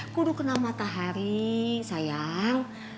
aku udah kena matahari sayang